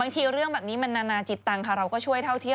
อันนี้เรื่องนี้ต่อไปช่วยไม่เคยเจอเลย